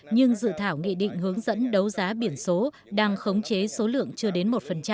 nhưng dự thảo nghị định hướng dẫn đấu giá biển số đang khống chế số lượng chưa đến một